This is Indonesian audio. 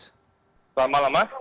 selamat malam mas